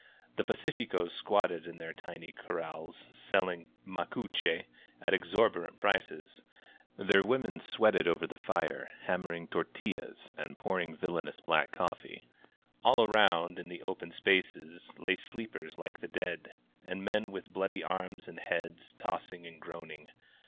The pa cificog squatted in their tiny corrals, selling macuche at exorbitant prices; their women sweated over the fire, hammering tortillas and pouring villainous black coffee. An around, in the open spaces, lay sleepers like the dead, and men with bloody arms and heads, tossing and groaning.